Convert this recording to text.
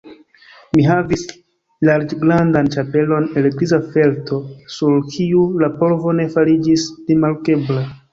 Mi havis larĝrandan ĉapelon el griza felto, sur kiu la polvo ne fariĝis rimarkebla.